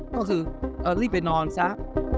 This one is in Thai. ก็คือรีบไปนอนซะ